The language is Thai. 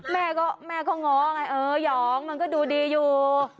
แม่เขาเหงาไงเออหยองมันก็ดูดีอยู่